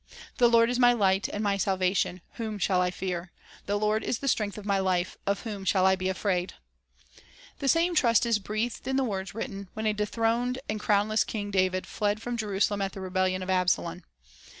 "The Lord is my light and my salvation ; Whom shall I fear? The Lord is the strength of my life ; Of whom shall I be afraid ?" 2 The same trust is breathed in the words written when, a dethroned and crownless king, David fled from Jerusalem at the rebellion of Absalom.